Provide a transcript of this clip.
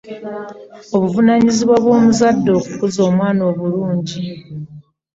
Auvunaanyizibwa bwa muzadde okukuza omwana obulungi